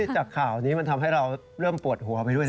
จากข่าวนี้มันทำให้เราเริ่มปวดหัวไปด้วยนะ